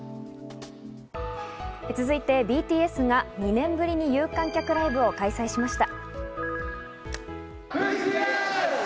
続いてＢＴＳが２年ぶりに有観客ライブを開催しました。